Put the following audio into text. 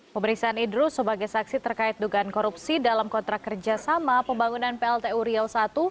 pemeriksaan idrus sebagai saksi terkait dugaan korupsi dalam kontrak kerjasama pembangunan pltu riau i